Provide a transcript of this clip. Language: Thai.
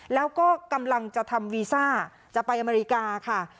แล้วก็กำลังจะทำวีซ่าจะไปอเมริกาค่ะ